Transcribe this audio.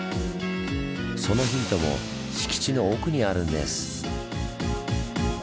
そのヒントも敷地の奥にあるんです。